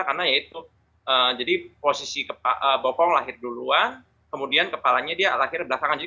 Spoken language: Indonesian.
karena itu jadi posisi ke bokong lahir duluan kemudian kepalanya dia lahir belakangan jadi